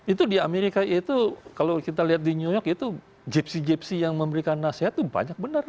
itu di amerika itu kalau kita lihat di new york itu jeepsi gypsi yang memberikan nasihat tuh banyak benar